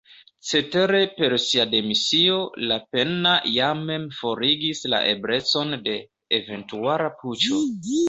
Cetere per sia demisio Lapenna ja mem forigis la eblecon de eventuala puĉo.